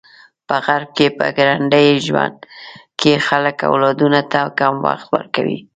په غرب کې په ګړندي ژوند کې خلک اولادونو ته کم وخت ورکوي.